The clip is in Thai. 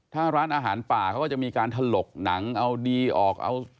ถ้าร้านอาหารป่าเขาก็จะมีการถลกหนังเอาดีออกเอา